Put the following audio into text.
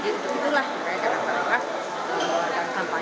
jadi itu itulah mereka antara orang